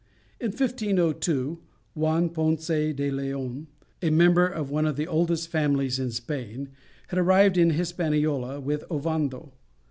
In 1502 Juan Ponce de Leon, a member of one of the oldest families in Spain, had arrived in Hispaniola with Ovando.